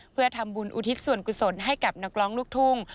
เพื่อทำบุญอุทิศส่วนกุศลให้กับนักร้องลูกทุ่ง